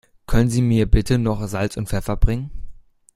Können Sie mir bitte noch Salz und Pfeffer bringen?